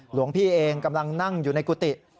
หลวงพี่เองกำลังนั่งอยู่ในกุฏิ